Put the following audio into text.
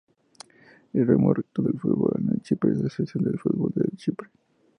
El organismo rector del fútbol en Chipre es la Asociación de Fútbol de Chipre.